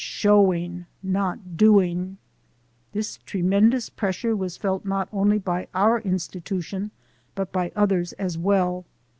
Showing, not doing. This tremendous pres sure was felt not only by our institution, but by others as well.